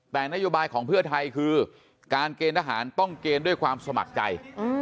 แต่นโยบายของเพื่อไทยคือการเกณฑ์ทหารต้องเกณฑ์ด้วยความสมัครใจ